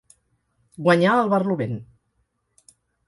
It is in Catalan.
Guanyar el barlovent.